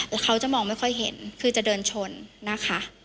แล้วเขาจะมองไม่ค่อยเห็นคือจะเดินชนนะคะ